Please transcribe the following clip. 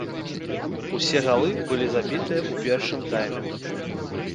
Усе галы былі забітыя ў першым тайме.